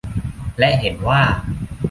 และเห็นว่า